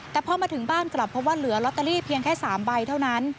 แต่พอมาถึงบ้านกลับเพราะว่าเหลือลอตเตอรี่เพียงแค่๓ใบเท่านั้น